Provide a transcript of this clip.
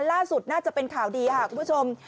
ล่าสุดน่าจะเป็นข่าวดีค่ะคุณผู้ชม